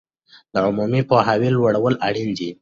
د عمومي پوهاوي لوړول اړین دي.